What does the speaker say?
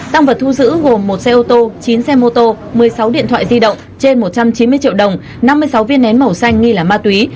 tăng vật thu giữ gồm một xe ô tô chín xe mô tô một mươi sáu điện thoại di động trên một trăm chín mươi triệu đồng năm mươi sáu viên nén màu xanh nghi là ma túy